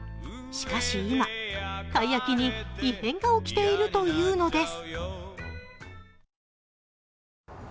しかし今、たい焼きに異変が起きているというのです。